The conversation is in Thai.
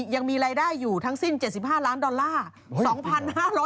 ยังมีรายได้อยู่ทั้งสิ้น๗๕ล้านดอลลาร์